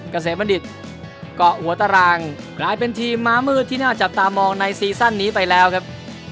เกษมบัณฑิตเกาะหัวตารางกลายเป็นทีมม้ามืดที่น่าจับตามองในซีซั่นนี้ไปแล้วครับ